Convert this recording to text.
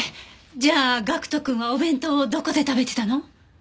じゃあ岳人くんはお弁当をどこで食べてたの？